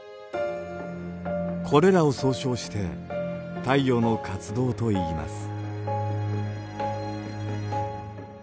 これらを総称して太陽の活動といいます。